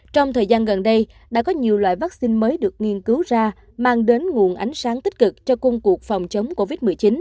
trong thời gian gần đây đã có nhiều loại vaccine mới được nghiên cứu ra mang đến nguồn ánh sáng tích cực cho công cuộc phòng chống covid một mươi chín